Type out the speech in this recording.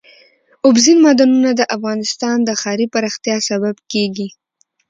اوبزین معدنونه د افغانستان د ښاري پراختیا سبب کېږي.